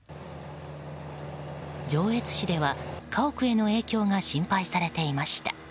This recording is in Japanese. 上越市では家屋への影響が心配されていました。